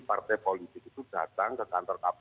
partai politik itu datang ke kantor kpu